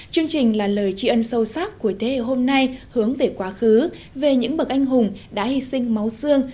chương trình là lời trị ân sâu sắc của thế hệ hôm nay hướng về quá khứ về những bậc anh hùng đã hy sinh máu xương